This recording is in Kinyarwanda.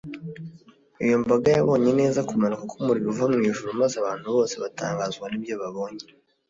Iyo mbaga yabonye neza kumanuka kwumuriro uva mu ijuru maze abantu bose batangazwa nibyo babonye